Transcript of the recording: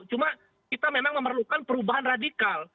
cuma kita memang memerlukan perubahan radikal